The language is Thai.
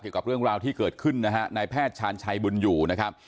เกี่ยวกับเรื่องราวที่เกิดขึ้นนะฮะนายแพทย์ชาญชัยบุญอยู่นะครับ